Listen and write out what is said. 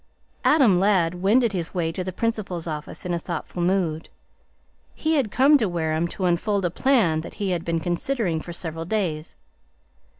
Adam Ladd wended his way to the principal's office in a thoughtful mood. He had come to Wareham to unfold a plan that he had been considering for several days.